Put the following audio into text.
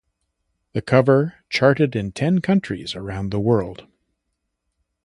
The cover charted in ten different countries around the world.